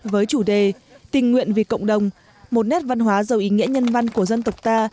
với chủ đề tình nguyện vì cộng đồng một nét văn hóa giàu ý nghĩa nhân văn của dân tộc ta